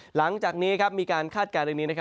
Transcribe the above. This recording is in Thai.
หลังจากนี้มีการคาดการณ์เรื่องนี้